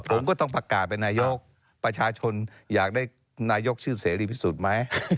ผมก็ต้องประกาศเป็นนายกประชาชนอยากได้นายกชื่อเสรีพิสุทธิ์ไหม